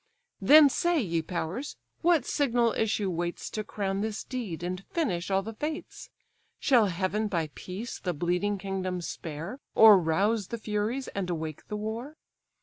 Then say, ye powers! what signal issue waits To crown this deed, and finish all the fates! Shall Heaven by peace the bleeding kingdoms spare, Or rouse the furies, and awake the war?